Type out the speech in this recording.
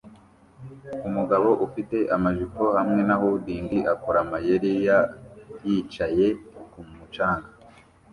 Umugabo ufite amajipo hamwe na hooding akora amayeri ya yicaye kumu canga